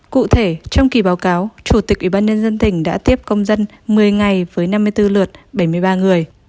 cụ thể trong kỳ báo cáo chủ tịch ủy ban nhân dân tỉnh đã tiếp công dân một mươi ngày với năm mươi bốn lượt bảy mươi ba người